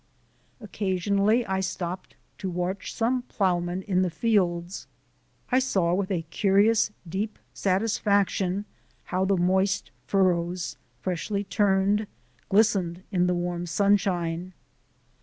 Occasionally I stopped to watch some ploughman in the fields: I saw with a curious, deep satisfaction how the moist furrows, freshly turned, glistened in the warm sunshine.